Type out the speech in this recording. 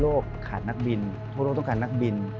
ขาดนักบินทั่วโลกต้องการนักบิน